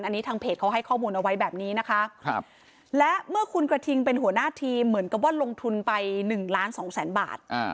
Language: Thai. อันนี้ทางเพจเขาให้ข้อมูลเอาไว้แบบนี้นะคะและเมื่อคุณกระทิงเป็นหัวหน้าทีมเหมือนกับว่าลงทุนไป๑ล้านสองแสนบาท